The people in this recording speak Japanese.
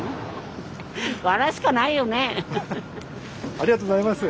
ありがとうございます。